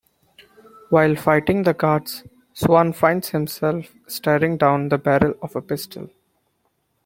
While fighting the guards, Swan finds himself staring down the barrel of a pistol.